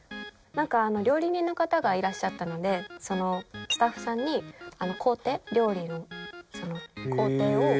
料理人の方がいらっしゃったのでそのスタッフさんに料理の工程を。